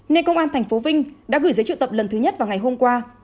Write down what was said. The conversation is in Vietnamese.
nên công an thành phố vinh đã gửi giấy triệu tập lần thứ nhất vào ngày hôm qua